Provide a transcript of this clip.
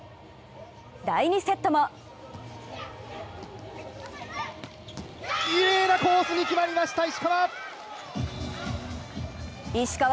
第２セットもきれいなコースに決まりました、石川！